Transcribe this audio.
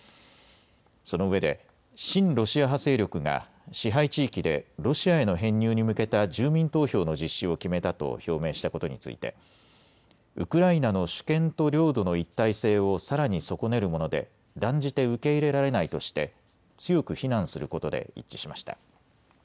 そのうえで親ロシア派勢力が支配地域でロシアへの編入に向けた住民投票の実施を決めたと表明したことについてウクライナの主権と領土の一体性をさらに損ねるもので断じて受け入れられないとして強く非難することで一致しました。